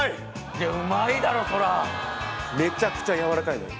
いやうまいだろそれはめちゃくちゃやわらかいのよ